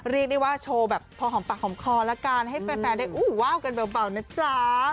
เรียกได้ว่าโชว์แบบพอหอมปากหอมคอละกันให้แฟนได้อู้ว่าวกันเบานะจ๊ะ